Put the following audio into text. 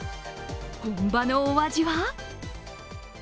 本場のお味は？